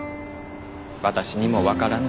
私にも分からぬ。